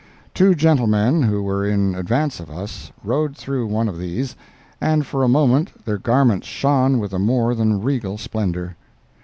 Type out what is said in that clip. Two gentlemen who were in advance of us rode through one of these, and for a moment their garments shone with a more than regal splendor.